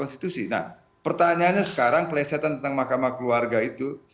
nah pertanyaannya sekarang pelesetan tentang mk itu